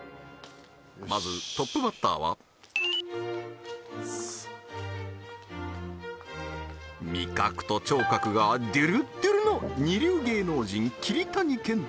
まずトップバッターは味覚と聴覚がドゥルッドゥルの二流芸能人桐谷健太